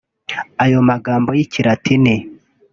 Ayo magambo y’ikiratini